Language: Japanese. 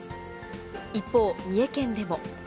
一方、三重県でも。